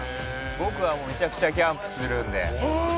僕はもうめちゃくちゃキャンプするので。